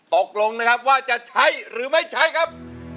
ตกลงนะครับว่าจะใช้หรือไม่ใช้ครับ